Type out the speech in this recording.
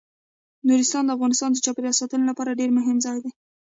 نورستان د افغانستان د چاپیریال ساتنې لپاره ډیر مهم ځای دی.